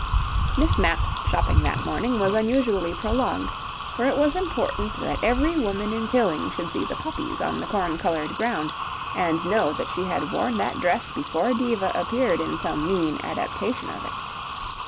Miss Mapp's shopping that morning was unusually prolonged, for it was important that every woman in Tilling should see the poppies on the corn coloured ground, and know that she had worn that dress before Diva appeared in some mean adaptation of it.